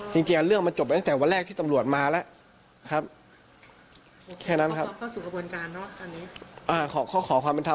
จริงการเลือกมันจบได้ตั้งแต่วันแรกที่ตำรวจมานะครับโอ๊คก็ให้ขอความเป็นธรรม